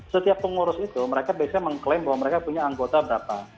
setiap pengurus itu mereka biasanya mengklaim bahwa mereka punya anggota berapa